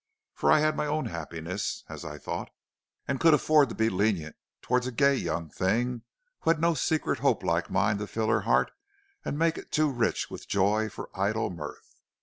For I had my own happiness, as I thought, and could afford to be lenient towards a gay young thing who had no secret hope like mine to fill her heart and make it too rich with joy for idle mirth.